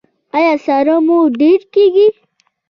ایا ساړه مو ډیر کیږي؟